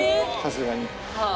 さすがに。